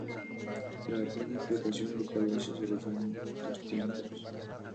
La plena explotación del palacio se realizó en dos tiempos.